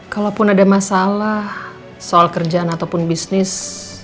kalaupun ada masalah soal kerjaan ataupun bisnis